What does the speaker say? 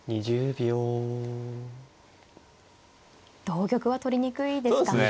同玉は取りにくいですか。